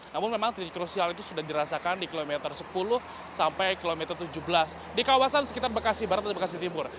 namun memang titik krusial itu sudah dirasakan di kilometer sepuluh sampai kilometer tujuh belas di kawasan sekitar bekasi barat dan bekasi timur